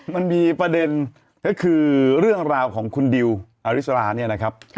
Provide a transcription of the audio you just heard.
มันมีประเด็นก็คือเรื่องราวของคุณดิวอริสราเนี่ยนะครับ